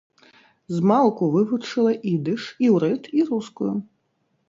Змалку вывучыла ідыш, іўрыт і рускую.